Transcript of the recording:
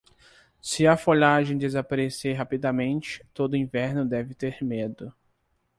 Se a folhagem desaparecer rapidamente, todo inverno deve ter medo.